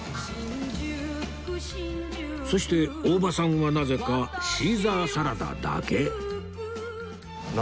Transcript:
そして大場さんはなぜかシーザーサラダだけ